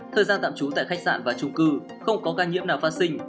thời gian tạm trú tại khách sạn và chung cư không có ca nhiễm nào phát sinh